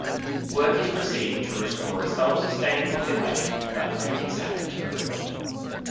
Work is proceeding to restore a self-sustaining population of Atlantic salmon to the river.